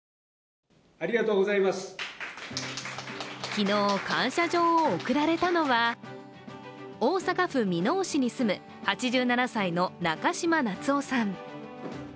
昨日、感謝状を贈られたのは大阪府箕面市に住む８７歳の中嶋夏男さん。